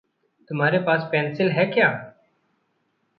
तुम्हारे पास पेनसिल है क्या?